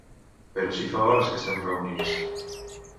Però si fa hores que estem reunits.